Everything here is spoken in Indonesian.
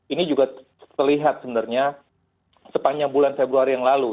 ini juga terlihat sebenarnya sepanjang bulan februari yang lalu